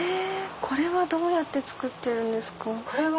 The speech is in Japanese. これはどうやって作ってるんですか？